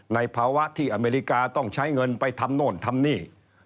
ในภาวะที่อเมริกาต้องใช้เงินไปทำโน่นทำนี่